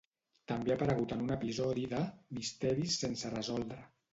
També ha aparegut en un episodi de "Misteris sense resoldre".